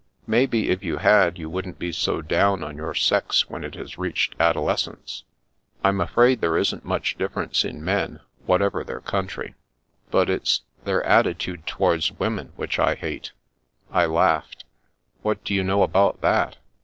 " Maybe, if you had, you wouldn't be so down on your sex when it has reached adolescence." The Princess 139 " I'm afraid there isn't much difference in men, whatever their country. But it's — ^their attitude towards women which I hate." I laughed. "What do you know about that?"